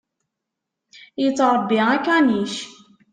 Yettṛebbi akanic.